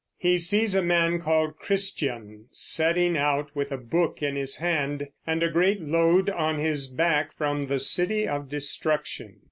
He sees a man called Christian setting out with a book in his hand and a great load on his back from the city of Destruction.